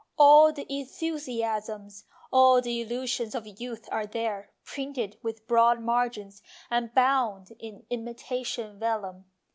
All the enthusiasms, all the illu sions of youth are there, printed with broad margins and bound in imitation vellum.